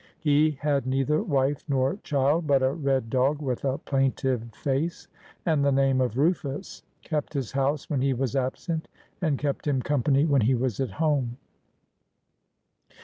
He had neither wife nor child, but a red dog with a plaintive face, and the name of Rufus, kept his house when he was absent, and kept him company when he was at home.